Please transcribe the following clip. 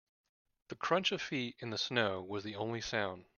The crunch of feet in the snow was the only sound.